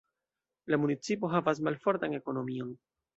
La municipo havas malfortan ekonomion.